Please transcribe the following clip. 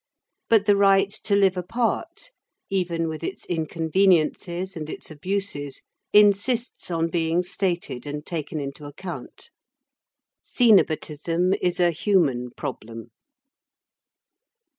But the right to live apart, even with its inconveniences and its abuses, insists on being stated and taken into account. Cenobitism is a human problem.